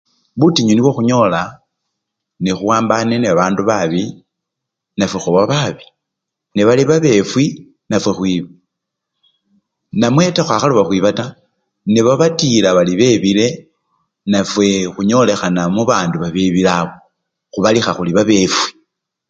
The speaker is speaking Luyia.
Butinyu nibwo khunyola nekhuwambane nebabandu babi, nafwe khuba babi, nebali babefwi, nafwe khwiba namweta khwakhaloba khwiba taa, nebabatila bari bebele, nafwe khunyolekhana mubandu babebile abo, khubalikha khuri babefwi.